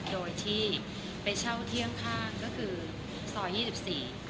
โดยที่ไปเช่าเที่ยงข้างก็คือซอยยี่สิบสี่